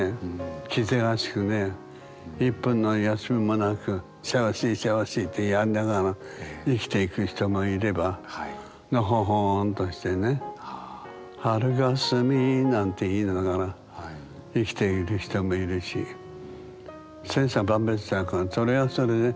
気ぜわしくね１分の休みもなくせわしいせわしいってやりながら生きていく人もいればのほほんとしてね「春霞」なんて言いながら生きている人もいるし千差万別だからそれはそれで。